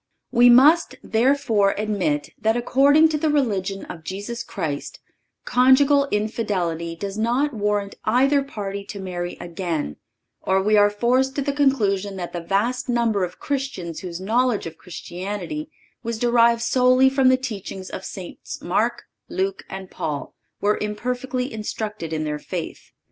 We must, therefore, admit that, according to the religion of Jesus Christ, conjugal infidelity does not warrant either party to marry again, or we are forced to the conclusion that the vast number of Christians whose knowledge of Christianity was derived solely from the teachings of Saints Mark, Luke and Paul were imperfectly instructed in their faith.